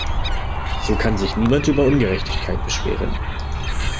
So kann sich niemand über Ungerechtigkeit beschweren.